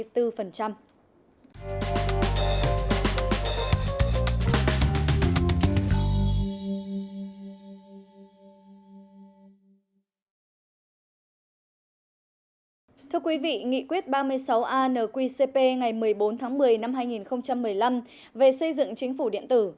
thưa quý vị nghị quyết ba mươi sáu anqcp ngày một mươi bốn tháng một mươi năm hai nghìn một mươi năm về xây dựng chính phủ điện tử